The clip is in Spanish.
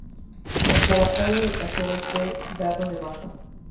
Tras la batalla de Caseros fue dado de baja.